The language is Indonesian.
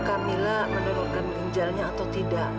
kamila mendonorkan ginjalnya atau tidak